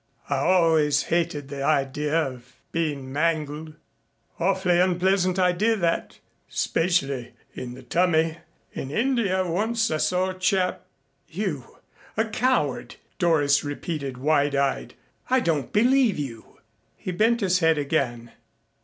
I always hated the idea of being mangled. Awf'ly unpleasant idea that 'specially in the tummy. In India once I saw a chap " "You a coward!" Doris repeated, wide eyed. "I don't believe you." He bent his head again.